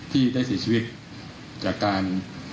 ที่ได้เสียชีวิตจากการ